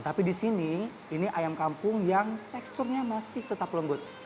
tapi di sini ini ayam kampung yang teksturnya masih tetap lembut